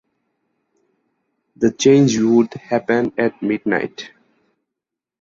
The change would happen at midnight.